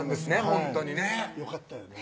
ほんとにねよかったよね